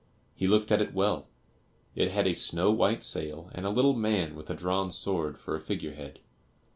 He looked at it well; it had a snow white sail and a little man with a drawn sword for a figure head.